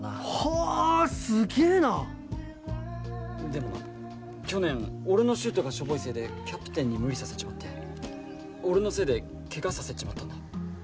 でも去年俺のシュートがしょぼいせいでキャプテンに無理させちまって俺のせいで怪我させちまったんだ。